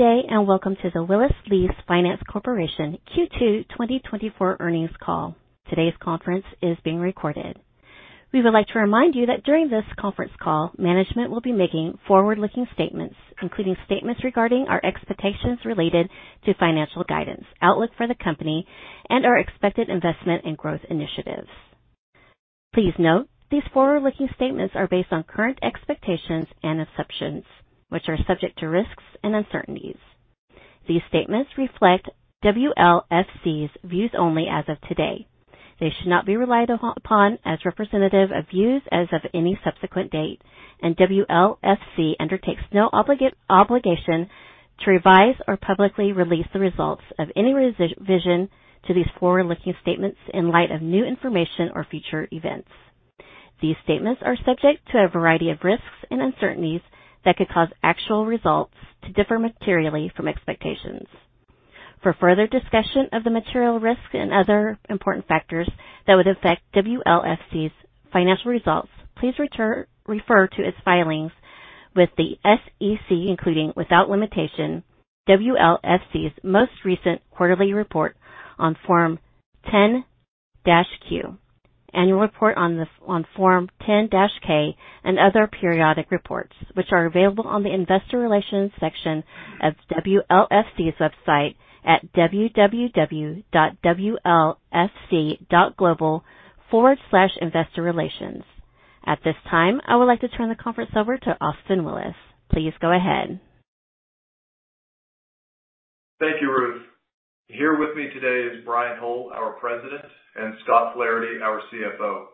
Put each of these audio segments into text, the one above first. Good day, and welcome to the Willis Lease Finance Corporation Q2 2024 earnings call. Today's conference is being recorded. We would like to remind you that during this conference call, management will be making forward-looking statements, including statements regarding our expectations related to financial guidance, outlook for the company, and our expected investment and growth initiatives. Please note, these forward-looking statements are based on current expectations and assumptions, which are subject to risks and uncertainties. These statements reflect WLFC's views only as of today. They should not be relied upon as representative of views as of any subsequent date, and WLFC undertakes no obligation to revise or publicly release the results of any revision to these forward-looking statements in light of new information or future events. These statements are subject to a variety of risks and uncertainties that could cause actual results to differ materially from expectations. For further discussion of the material risks and other important factors that would affect WLFC's financial results, please refer to its filings with the SEC, including, without limitation, WLFC's most recent quarterly report on Form 10-Q, annual report on Form 10-K, and other periodic reports, which are available on the Investor Relations section of WLFC's website at www.wlfc.global/investorrelations. At this time, I would like to turn the conference over to Austin Willis. Please go ahead. Thank you, Ruth. Here with me today is Brian Hole, our President, and Scott Flaherty, our CFO.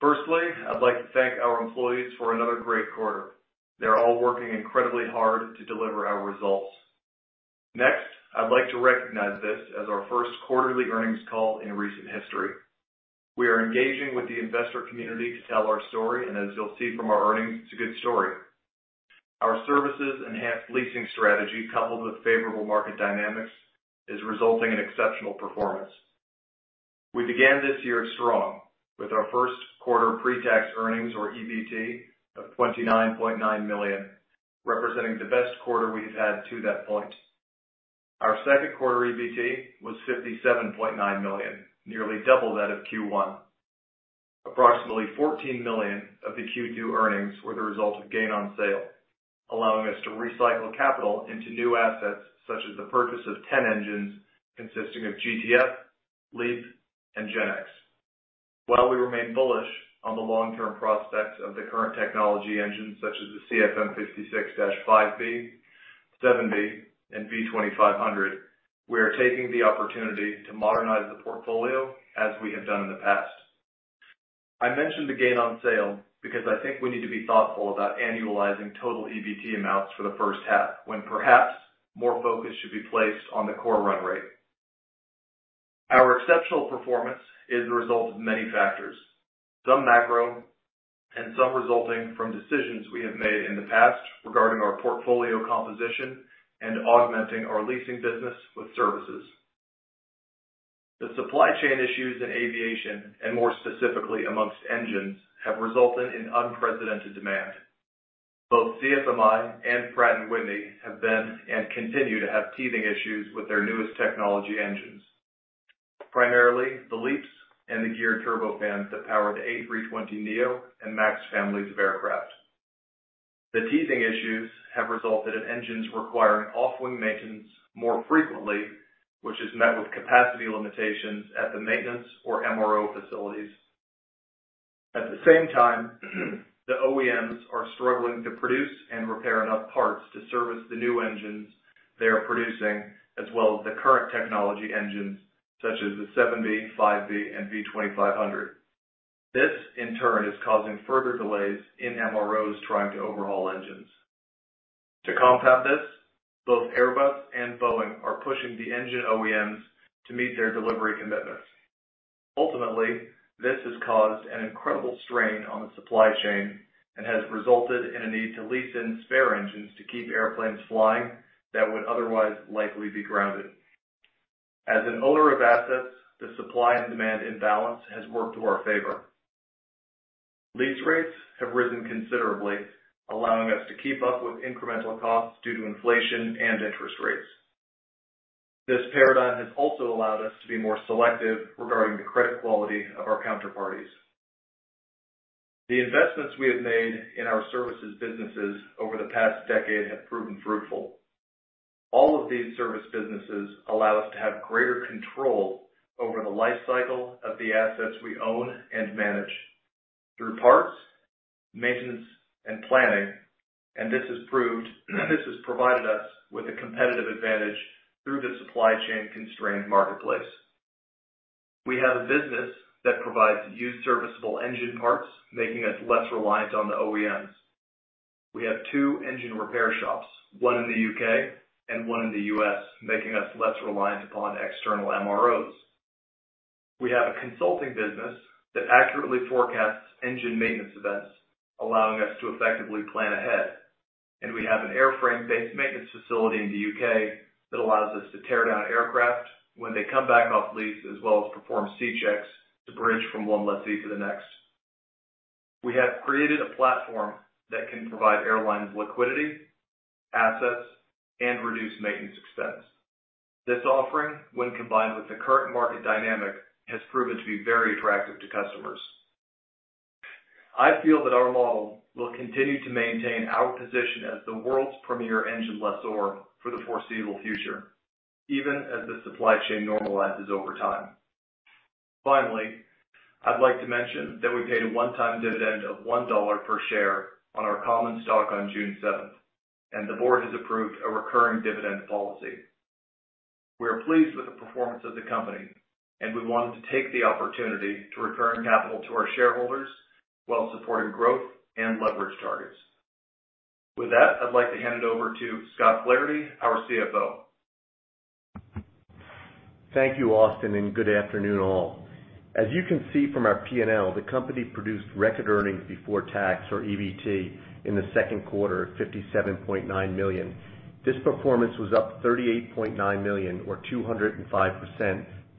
Firstly, I'd like to thank our employees for another great quarter. They're all working incredibly hard to deliver our results. Next, I'd like to recognize this as our first quarterly earnings call in recent history. We are engaging with the investor community to tell our story, and as you'll see from our earnings, it's a good story. Our services enhanced leasing strategy, coupled with favorable market dynamics, is resulting in exceptional performance. We began this year strong, with our first quarter pre-tax earnings, or EBT, of $29.9 million, representing the best quarter we've had to that point. Our second quarter EBT was $57.9 million, nearly double that of Q1. Approximately $14 million of the Q2 earnings were the result of gain on sale, allowing us to recycle capital into new assets, such as the purchase of 10 engines consisting of GTF, LEAP, and GEnx. While we remain bullish on the long-term prospects of the current technology engines, such as the CFM56-5B, CFM56-7B, and V2500, we are taking the opportunity to modernize the portfolio as we have done in the past. I mentioned the gain on sale because I think we need to be thoughtful about annualizing total EBT amounts for the first half, when perhaps more focus should be placed on the core run rate. Our exceptional performance is the result of many factors, some macro and some resulting from decisions we have made in the past regarding our portfolio composition and augmenting our leasing business with services. The supply chain issues in aviation, and more specifically among engines, have resulted in unprecedented demand. Both CFMI and Pratt & Whitney have been and continue to have teething issues with their newest technology engines, primarily the LEAPs and the Geared Turbofans that power the A320neo and MAX families of aircraft. The teething issues have resulted in engines requiring off-wing maintenance more frequently, which is met with capacity limitations at the maintenance or MRO facilities. At the same time, the OEMs are struggling to produce and repair enough parts to service the new engines they are producing, as well as the current technology engines such as the 7B, 5B, and V2500. This, in turn, is causing further delays in MROs trying to overhaul engines. To compound this, both Airbus and Boeing are pushing the engine OEMs to meet their delivery commitments. Ultimately, this has caused an incredible strain on the supply chain and has resulted in a need to lease in spare engines to keep airplanes flying that would otherwise likely be grounded. As an owner of assets, the supply and demand imbalance has worked to our favor. Lease rates have risen considerably, allowing us to keep up with incremental costs due to inflation and interest rates. This paradigm has also allowed us to be more selective regarding the credit quality of our counterparties. The investments we have made in our services businesses over the past decade have proven fruitful. All of these service businesses allow us to have greater control over the life cycle of the assets we own and manage, through parts, maintenance, and planning. And this has provided us with a competitive advantage through the supply chain-constrained marketplace. We have a business that provides used serviceable engine parts, making us less reliant on the OEMs. We have two engine repair shops, one in the U.K. and one in the U.S., making us less reliant upon external MROs. We have a consulting business that accurately forecasts engine maintenance events, allowing us to effectively plan ahead. And we have an airframe-based maintenance facility in the U.K. that allows us to tear down aircraft when they come back off lease, as well as perform C checks to bridge from one lessee to the next. We have created a platform that can provide airlines liquidity, assets, and reduced maintenance expense. This offering, when combined with the current market dynamic, has proven to be very attractive to customers. I feel that our model will continue to maintain our position as the world's premier engine lessor for the foreseeable future, even as the supply chain normalizes over time. Finally, I'd like to mention that we paid a one-time dividend of $1 per share on our common stock on June seventh, and the Board has approved a recurring dividend policy. We are pleased with the performance of the company, and we wanted to take the opportunity to return capital to our shareholders while supporting growth and leverage targets. With that, I'd like to hand it over to Scott Flaherty, our CFO. Thank you, Austin, and good afternoon all. As you can see from our P&L, the company produced record earnings before tax, or EBT, in the second quarter of $57.9 million. This performance was up $38.9 million, or 205%,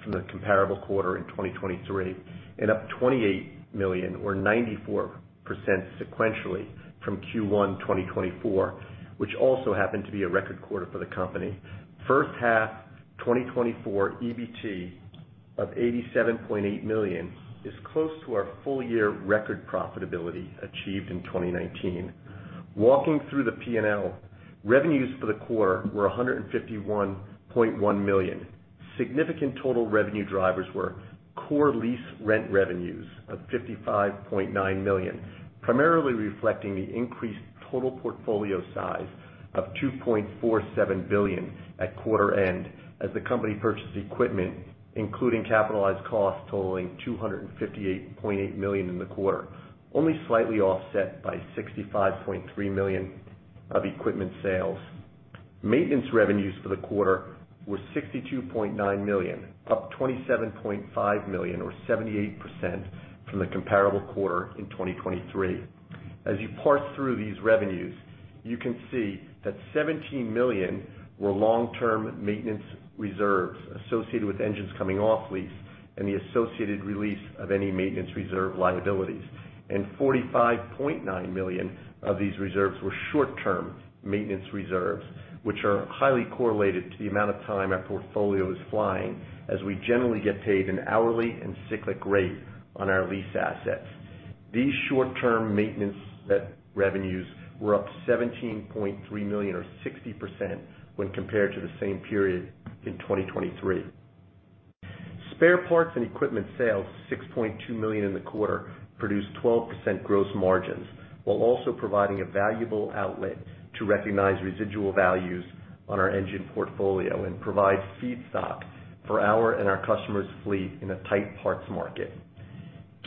from the comparable quarter in 2023, and up $28 million, or 94% sequentially from Q1 2024, which also happened to be a record quarter for the company. First half 2024 EBT of $87.8 million is close to our full-year record profitability achieved in 2019. Walking through the P&L, revenues for the quarter were $151.1 million. Significant total revenue drivers were core lease rent revenues of $55.9 million, primarily reflecting the increased total portfolio size of $2.47 billion at quarter end, as the company purchased equipment, including capitalized costs totaling $258.8 million in the quarter, only slightly offset by $65.3 million of equipment sales. Maintenance revenues for the quarter were $62.9 million, up $27.5 million or 78% from the comparable quarter in 2023. As you parse through these revenues, you can see that $17 million were long-term maintenance reserves associated with engines coming off lease and the associated release of any maintenance reserve liabilities, and $45.9 million of these reserves were short-term maintenance reserves, which are highly correlated to the amount of time our portfolio is flying, as we generally get paid an hourly and cyclic rate on our lease assets. These short-term maintenance revenues were up $17.3 million, or 60%, when compared to the same period in 2023. Spare parts and equipment sales, $6.2 million in the quarter, produced 12% gross margins, while also providing a valuable outlet to recognize residual values on our engine portfolio and provide feedstock for our and our customers' fleet in a tight parts market.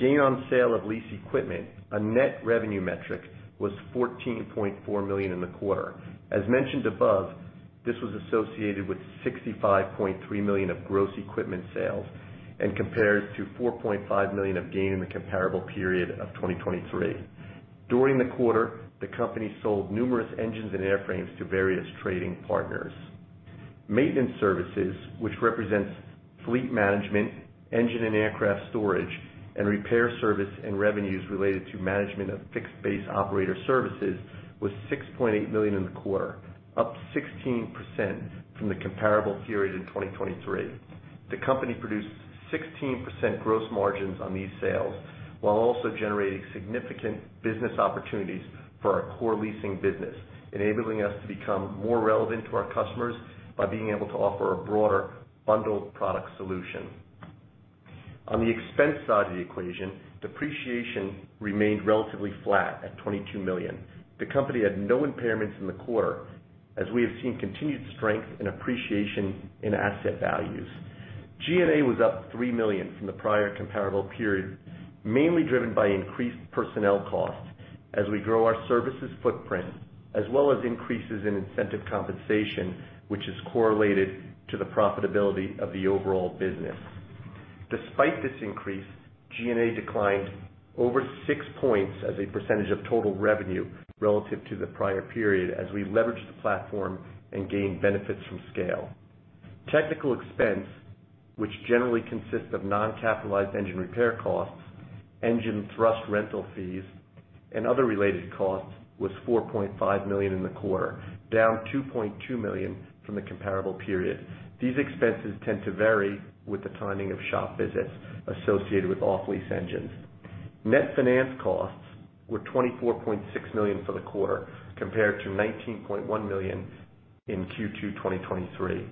Gain on sale of lease equipment, a net revenue metric, was $14.4 million in the quarter. As mentioned above, this was associated with $65.3 million of gross equipment sales and compared to $4.5 million of gain in the comparable period of 2023. During the quarter, the company sold numerous engines and airframes to various trading partners. Maintenance services, which represents fleet management, engine and aircraft storage, and repair service and revenues related to management of fixed base operator services, was $6.8 million in the quarter, up 16% from the comparable period in 2023. The company produced 16% gross margins on these sales, while also generating significant business opportunities for our core leasing business, enabling us to become more relevant to our customers by being able to offer a broader bundled product solution. On the expense side of the equation, depreciation remained relatively flat at $22 million. The company had no impairments in the quarter, as we have seen continued strength and appreciation in asset values. G&A was up $3 million from the prior comparable period, mainly driven by increased personnel costs as we grow our services footprint, as well as increases in incentive compensation, which is correlated to the profitability of the overall business. Despite this increase, G&A declined over 6 points as a percentage of total revenue relative to the prior period as we leveraged the platform and gained benefits from scale. Technical expense, which generally consists of non-capitalized engine repair costs, engine thrust rental fees, and other related costs, was $4.5 million in the quarter, down $2.2 million from the comparable period. These expenses tend to vary with the timing of shop visits associated with off-lease engines. Net finance costs were $24.6 million for the quarter, compared to $19.1 million in Q2 2023.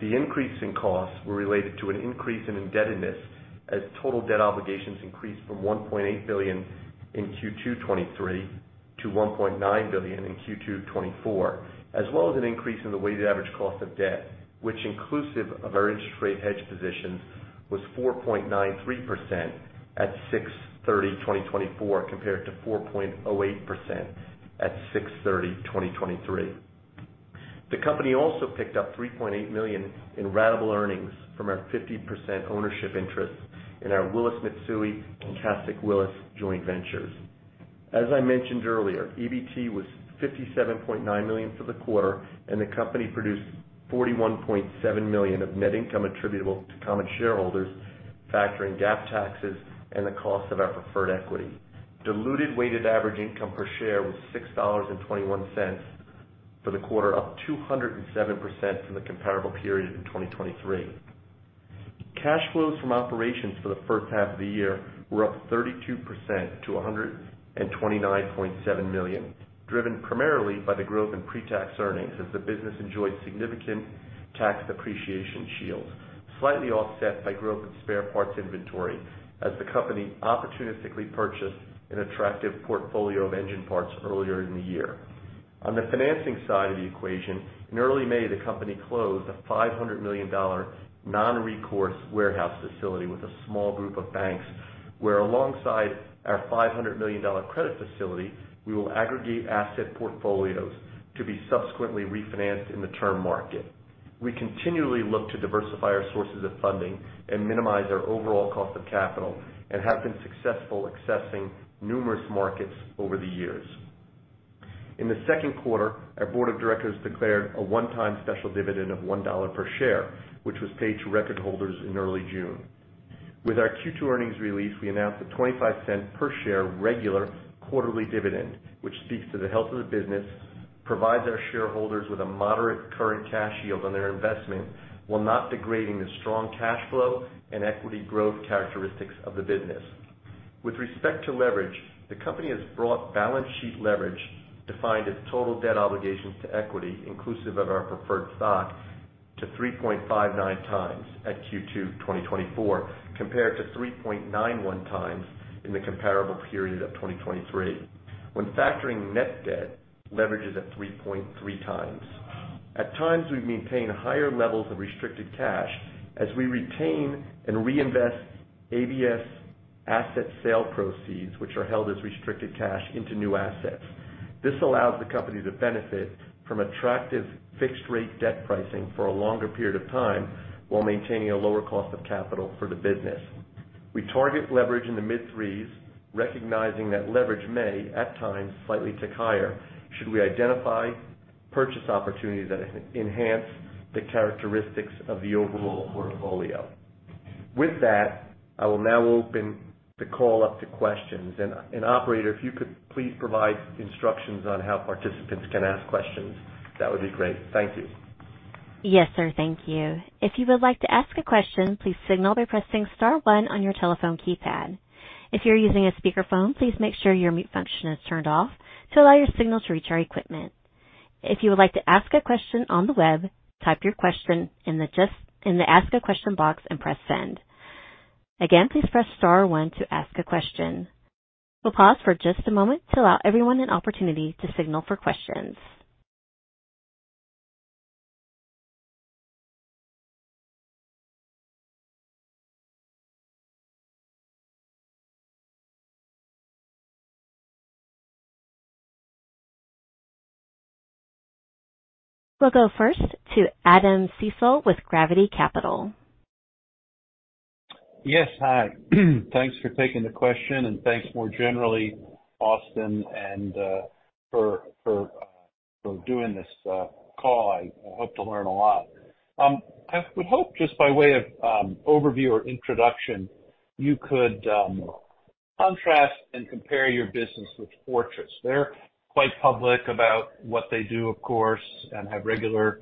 The increase in costs were related to an increase in indebtedness as total debt obligations increased from $1.8 billion in Q2 2023 to $1.9 billion in Q2 2024, as well as an increase in the weighted average cost of debt, which, inclusive of our interest rate hedge positions, was 4.93% at 06/30/2024, compared to 4.08% at 06/30/2023. The company also picked up $3.8 million in ratable earnings from our 50% ownership interest in our Willis Mitsui and CASC Willis joint ventures. As I mentioned earlier, EBT was $57.9 million for the quarter, and the company produced $41.7 million of net income attributable to common shareholders, factoring GAAP taxes and the cost of our preferred equity. Diluted weighted average income per share was $6.21 for the quarter, up 207% from the comparable period in 2023. Cash flows from operations for the first half of the year were up 32% to $129.7 million, driven primarily by the growth in pretax earnings, as the business enjoyed significant tax depreciation shield, slightly offset by growth in spare parts inventory, as the company opportunistically purchased an attractive portfolio of engine parts earlier in the year. On the financing side of the equation, in early May, the company closed a $500 million non-recourse warehouse facility with a small group of banks, where alongside our $500 million credit facility, we will aggregate asset portfolios to be subsequently refinanced in the term market. We continually look to diversify our sources of funding and minimize our overall cost of capital and have been successful accessing numerous markets over the years. In the second quarter, our Board of Directors declared a one-time special dividend of $1 per share, which was paid to record holders in early June. With our Q2 earnings release, we announced a $0.25 per share regular quarterly dividend, which speaks to the health of the business, provides our shareholders with a moderate current cash yield on their investment, while not degrading the strong cash flow and equity growth characteristics of the business. With respect to leverage, the company has brought balance sheet leverage, defined as total debt obligations to equity, inclusive of our preferred stock, to 3.59x at Q2 2024, compared to 3.91x in the comparable period of 2023. When factoring net debt, leverage is at 3.3x. At times, we maintain higher levels of restricted cash as we retain and reinvest ABS asset sale proceeds, which are held as restricted cash into new assets. This allows the company to benefit from attractive fixed rate debt pricing for a longer period of time, while maintaining a lower cost of capital for the business. We target leverage in the mid-3s, recognizing that leverage may, at times, slightly tick higher should we identify purchase opportunities that enhance the characteristics of the overall portfolio. With that, I will now open the call up to questions. And, operator, if you could please provide instructions on how participants can ask questions, that would be great. Thank you. Yes, sir. Thank you. If you would like to ask a question, please signal by pressing star one on your telephone keypad. If you're using a speakerphone, please make sure your mute function is turned off to allow your signal to reach our equipment. If you would like to ask a question on the web, type your question in the ask a question box and press send. Again, please press star one to ask a question. We'll pause for just a moment to allow everyone an opportunity to signal for questions. We'll go first to Adam Seessel with Gravity Capital. Yes, hi. Thanks for taking the question, and thanks more generally, Austin, and for doing this call. I hope to learn a lot. I would hope, just by way of overview or introduction, you could contrast and compare your business with Fortress. They're quite public about what they do, of course, and have regular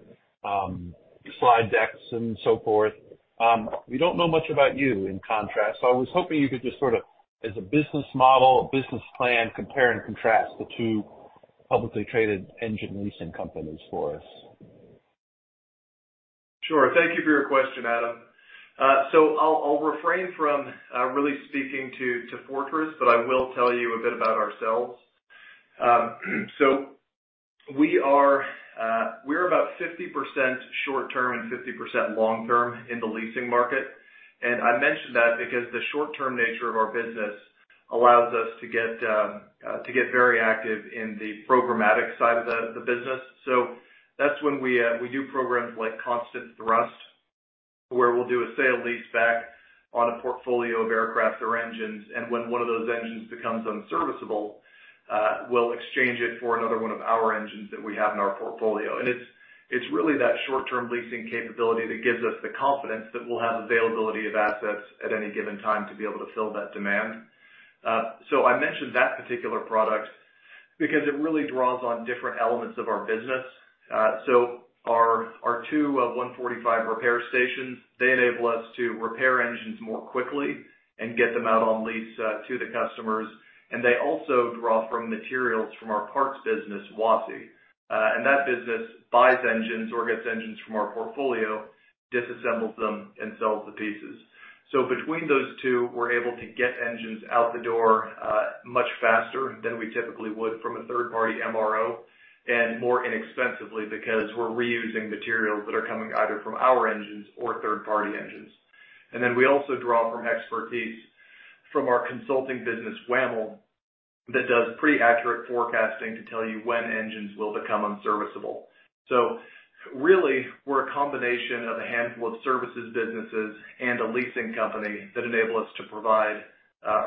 slide decks and so forth. We don't know much about you in contrast, so I was hoping you could just sort of as a business model, a business plan, compare and contrast the two publicly traded engine leasing companies for us. Sure. Thank you for your question, Adam. So I'll, I'll refrain from really speaking to, to Fortress, but I will tell you a bit about ourselves. So we are, we're about 50% short term and 50% long term in the leasing market. And I mention that because the short-term nature of our business allows us to get to get very active in the programmatic side of the, the business. So that's when we, we do programs like ConstantThrust, where we'll do a sale leaseback on a portfolio of aircraft or engines, and when one of those engines becomes unserviceable, we'll exchange it for another one of our engines that we have in our portfolio. It's really that short-term leasing capability that gives us the confidence that we'll have availability of assets at any given time to be able to fill that demand. So I mentioned that particular product because it really draws on different elements of our business. So our two 145 repair stations, they enable us to repair engines more quickly and get them out on lease to the customers, and they also draw from materials from our parts business, WASI. And that business buys engines or gets engines from our portfolio, disassembles them and sells the pieces. So between those two, we're able to get engines out the door much faster than we typically would from a third-party MRO, and more inexpensively, because we're reusing materials that are coming either from our engines or third-party engines. And then we also draw from expertise from our consulting business, WAML, that does pretty accurate forecasting to tell you when engines will become unserviceable. So really, we're a combination of a handful of services businesses and a leasing company that enable us to provide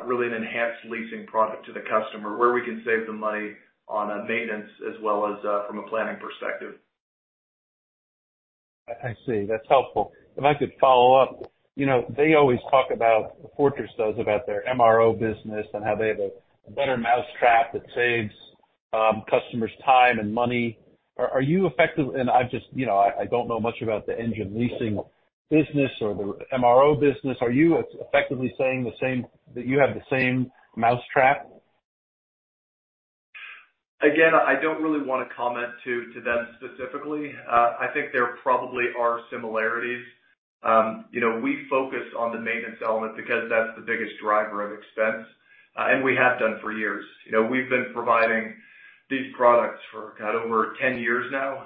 really an enhanced leasing product to the customer, where we can save them money on maintenance as well as from a planning perspective. I see. That's helpful. If I could follow up, you know, they always talk about, Fortress does, about their MRO business and how they have a better mousetrap that saves customers time and money. And I've just, you know, I don't know much about the engine leasing business or the MRO business. Are you effectively saying the same, that you have the same mousetrap? Again, I don't really want to comment to them specifically. I think there probably are similarities. You know, we focus on the maintenance element because that's the biggest driver of expense, and we have done for years. You know, we've been providing these products for about over 10 years now.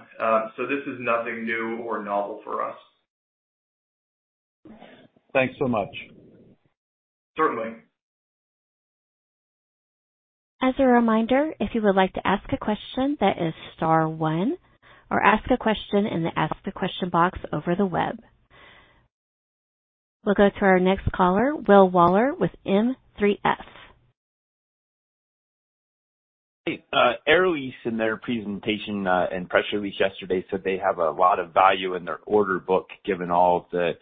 So this is nothing new or novel for us. Thanks so much. Certainly. As a reminder, if you would like to ask a question, that is star one, or ask a question in the ask the question box over the web. We'll go to our next caller, Will Waller with M3F. Hey, Air Lease, in their presentation and press release yesterday, said they have a lot of value in their order book, given all the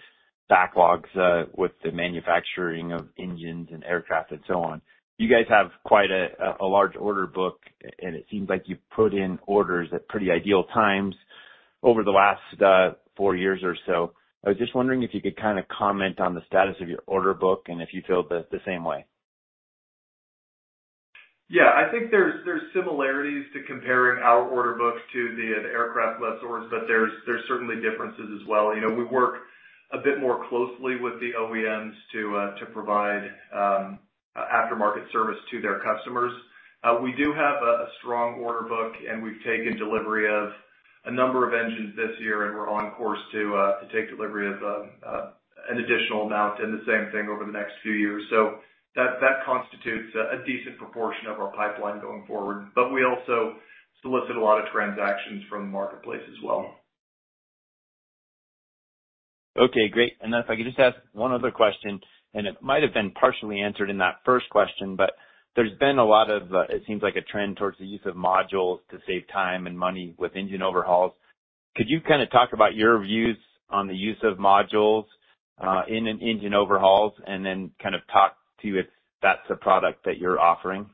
backlogs with the manufacturing of engines and aircraft and so on. You guys have quite a large order book, and it seems like you've put in orders at pretty ideal times over the last four years or so. I was just wondering if you could kind of comment on the status of your order book and if you feel the same way. Yeah. I think there's, there's similarities to comparing our order books to the, the aircraft lessors, but there's, there's certainly differences as well. You know, we work a bit more closely with the OEMs to to provide aftermarket service to their customers. We do have a strong order book, and we've taken delivery of a number of engines this year, and we're on course to to take delivery of an additional amount, and the same thing over the next few years. So that, that constitutes a decent proportion of our pipeline going forward, but we also solicit a lot of transactions from the marketplace as well. Okay, great. And then if I could just ask one other question, and it might have been partially answered in that first question, but there's been a lot of, it seems like a trend towards the use of modules to save time and money with engine overhauls. Could you kind of talk about your views on the use of modules, in an engine overhauls, and then kind of talk to if that's a product that you're offering?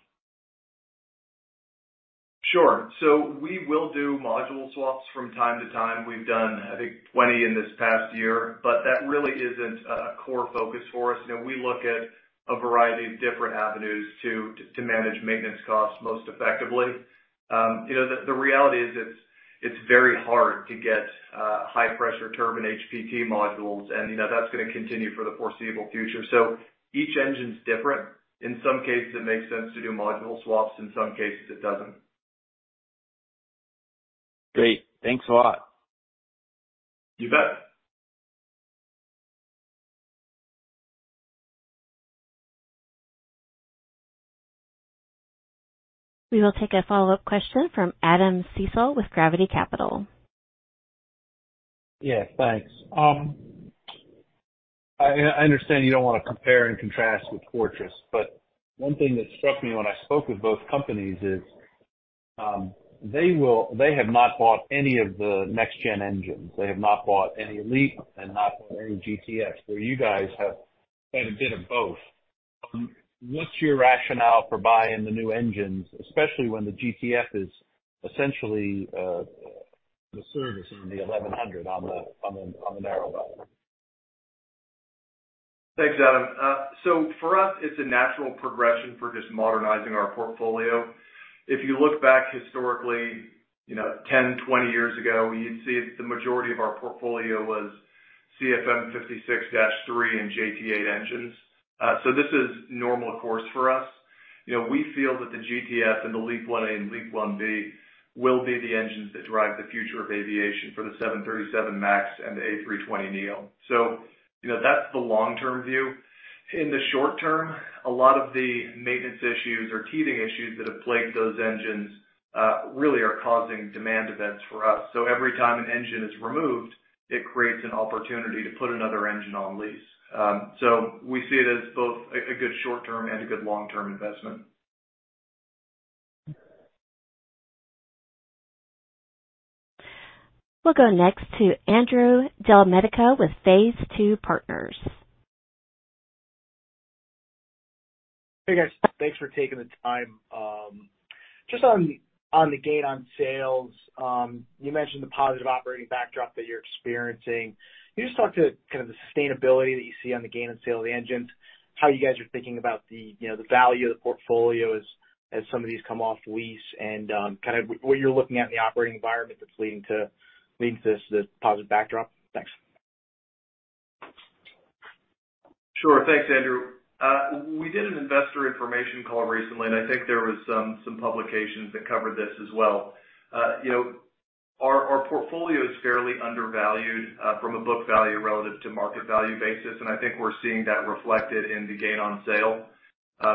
Sure. So we will do module swaps from time to time. We've done, I think, 20 in this past year, but that really isn't a core focus for us. You know, we look at a variety of different avenues to manage maintenance costs most effectively. You know, the reality is, it's very hard to get high pressure turbine HPT modules, and, you know, that's gonna continue for the foreseeable future. So each engine's different. In some cases, it makes sense to do module swaps, in some cases, it doesn't. Great. Thanks a lot. You bet. We will take a follow-up question from Adam Seessel with Gravity Capital. Yeah, thanks. I understand you don't want to compare and contrast with Fortress, but one thing that struck me when I spoke with both companies is, they have not bought any of the next-gen engines. They have not bought any LEAP and not bought any GTF, where you guys have quite a bit of both. What's your rationale for buying the new engines, especially when the GTF is essentially, the service on the 1100 on the narrow body? Thanks, Adam. So for us, it's a natural progression for just modernizing our portfolio. If you look back historically, you know, 10, 20 years ago, you'd see that the majority of our portfolio was CFM56-3 and JT8 engines. So this is normal course for us. You know, we feel that the GTF and the LEAP-1A and LEAP-1B will be the engines that drive the future of aviation for the 737 MAX and the A320neo. So, you know, that's the long-term view. In the short term, a lot of the maintenance issues or teething issues that have plagued those engines, really are causing demand events for us. So every time an engine is removed, it creates an opportunity to put another engine on lease. So we see it as both a, a good short-term and a good long-term investment. We'll go next to Andrew Del Medico with Phase 2 Partners. Hey, guys. Thanks for taking the time. Just on, on the gain on sales, you mentioned the positive operating backdrop that you're experiencing. Can you just talk to kind of the sustainability that you see on the gain and sale of the engines, how you guys are thinking about the, you know, the value of the portfolio as, as some of these come off lease, and, kind of what you're looking at in the operating environment that's leading to, leading to this, this positive backdrop? Thanks. Sure. Thanks, Andrew. We did an investor information call recently, and I think there was some publications that covered this as well. You know, our portfolio is fairly undervalued from a book value relative to market value basis, and I think we're seeing that reflected in the gain on sale.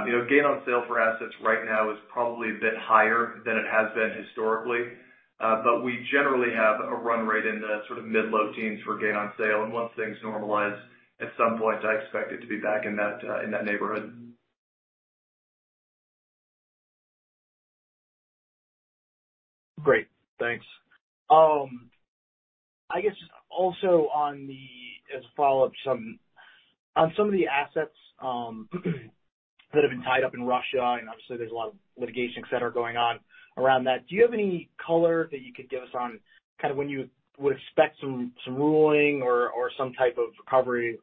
You know, gain on sale for assets right now is probably a bit higher than it has been historically. But we generally have a run rate in the sort of mid-low teens for gain on sale. And once things normalize, at some point, I expect it to be back in that neighborhood. Great, thanks. I guess also on the, as a follow-up on some of the assets that have been tied up in Russia, and obviously there's a lot of litigation, et cetera, going on around that. Do you have any color that you could give us on kind of when you would expect some ruling or some type of recovery,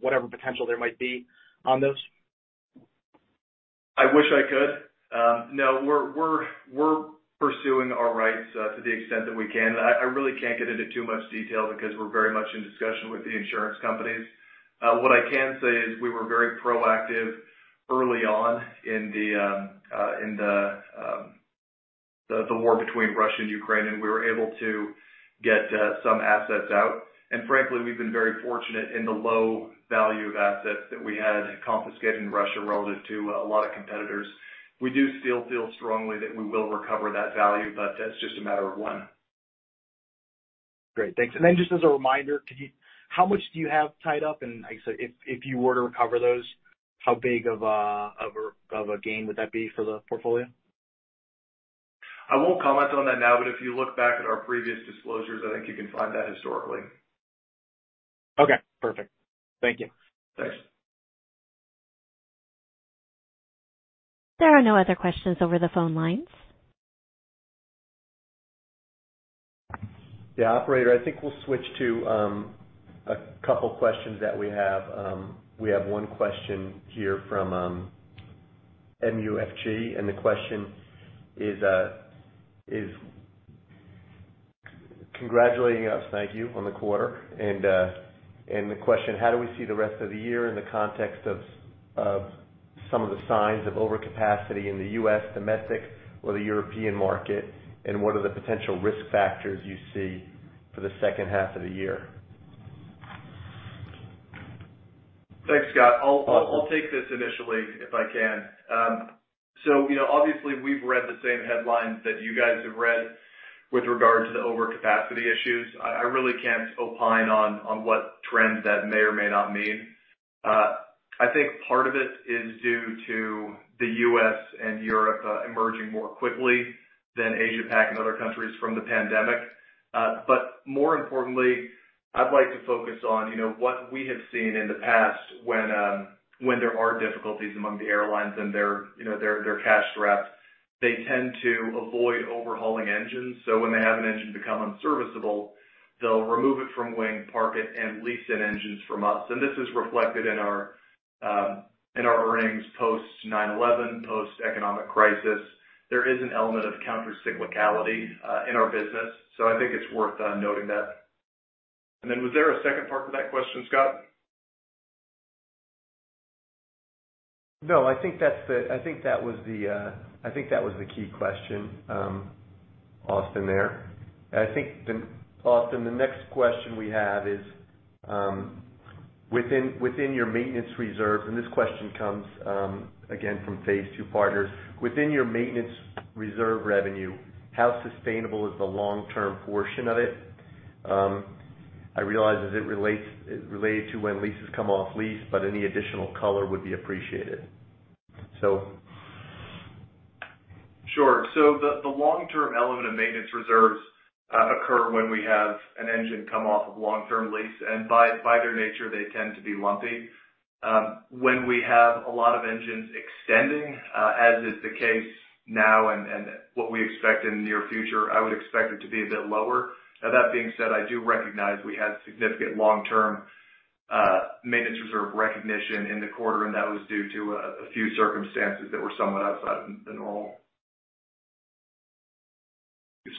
whatever potential there might be on those? I wish I could. No, we're pursuing our rights to the extent that we can. I really can't get into too much detail because we're very much in discussion with the insurance companies. What I can say is we were very proactive early on in the war between Russia and Ukraine, and we were able to get some assets out. And frankly, we've been very fortunate in the low value of assets that we had confiscated in Russia relative to a lot of competitors. We do still feel strongly that we will recover that value, but that's just a matter of when. Great, thanks. Then just as a reminder, could you how much do you have tied up? And like I said, if you were to recover those, how big of a gain would that be for the portfolio? I won't comment on that now, but if you look back at our previous disclosures, I think you can find that historically. Okay, perfect. Thank you. Thanks. There are no other questions over the phone lines. Yeah, operator, I think we'll switch to a couple questions that we have. We have one question here from MUFG, and the question is congratulating us, thank you, on the quarter. And the question: How do we see the rest of the year in the context of some of the signs of overcapacity in the U.S. domestic or the European market, and what are the potential risk factors you see for the second half of the year? Thanks, Scott. I'll take this initially, if I can. So you know, obviously, we've read the same headlines that you guys have read with regard to the overcapacity issues. I really can't opine on what trends that may or may not mean. I think part of it is due to the U.S. and Europe emerging more quickly than Asia-Pac and other countries from the pandemic. But more importantly, I'd like to focus on, you know, what we have seen in the past when there are difficulties among the airlines and their, you know, their cash straps, they tend to avoid overhauling engines. So when they have an engine become unserviceable, they'll remove it from wing, park it, and lease in engines from us. And this is reflected in our earnings post 9/11, post-economic crisis. There is an element of countercyclicality in our business, so I think it's worth noting that. And then was there a second part to that question, Scott? No, I think that's the... I think that was the key question, Austin, there. Austin, the next question we have is within your maintenance reserve, and this question comes again from Phase 2 Partners. Within your maintenance reserve revenue, how sustainable is the long-term portion of it? I realize as it relates to when leases come off lease, but any additional color would be appreciated. So... Sure. So the long-term element of maintenance reserves occur when we have an engine come off of long-term lease, and by their nature, they tend to be lumpy. When we have a lot of engines extending, as is the case now and what we expect in the near future, I would expect it to be a bit lower. Now, that being said, I do recognize we had significant long-term maintenance reserve recognition in the quarter, and that was due to a few circumstances that were somewhat outside of the normal.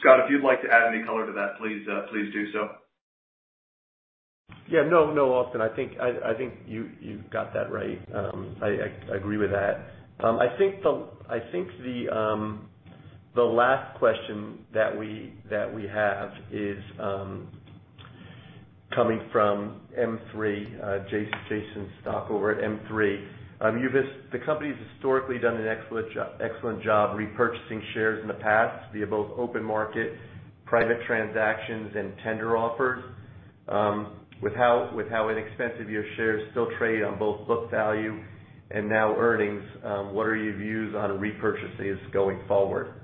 Scott, if you'd like to add any color to that, please, please do so. Yeah. No, no, Austin, I think you, you've got that right. I agree with that. I think the last question that we have is coming from M3, Jason Stock over at M3. The company's historically done an excellent job repurchasing shares in the past via both open market, private transactions, and tender offers. With how inexpensive your shares still trade on both book value and now earnings, what are your views on repurchases going forward?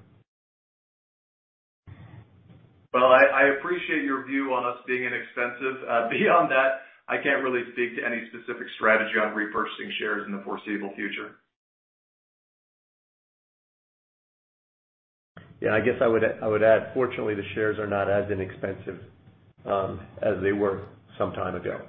Well, I appreciate your view on us being inexpensive. Beyond that, I can't really speak to any specific strategy on repurchasing shares in the foreseeable future. Yeah, I guess I would, I would add, fortunately, the shares are not as inexpensive, as they were some time ago.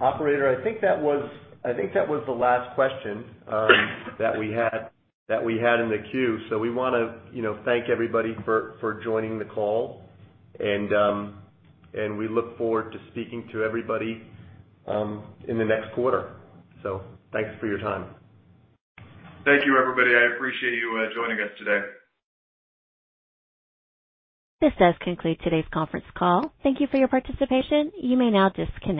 Operator, I think that was, I think that was the last question, that we had, that we had in the queue. So we want to, you know, thank everybody for, for joining the call and, and we look forward to speaking to everybody, in the next quarter. So thanks for your time. Thank you, everybody. I appreciate you, joining us today. This does conclude today's conference call. Thank you for your participation. You may now disconnect.